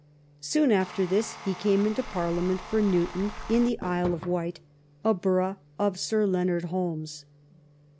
Soon after this he came into Parliament for Newtown in the Isle of Wight, a borough of Sir Leonard Holmes.